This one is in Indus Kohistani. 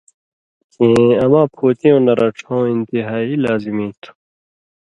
کھیں اما پُھوتیُوں نہ رڇھؤں انتہائی لازمی تُھو۔